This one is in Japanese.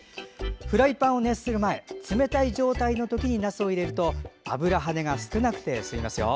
フライパンを熱する前冷たい状態のときになすを入れると油はねが少なくて済みますよ。